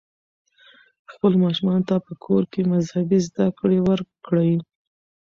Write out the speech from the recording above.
خپلو ماشومانو ته په کور کې مذهبي زده کړې ورکړئ.